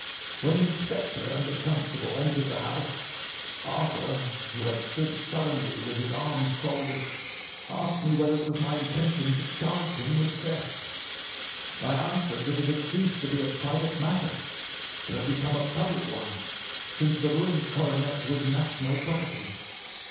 When the inspector and a constable entered the house, Arthur, who had stood sullenly with his arms folded, asked me whether it was my intention to charge him with theft. I answered that it had ceased to be a private matter, but had become a public one, since the ruined coronet was national property.